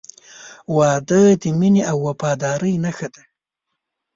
• واده د مینې او وفادارۍ نښه ده.